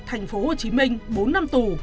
thành phố hồ chí minh bốn năm tù